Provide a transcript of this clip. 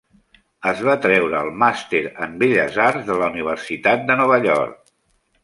Es va treure el màster en Belles Arts de la Universitat de Nova York.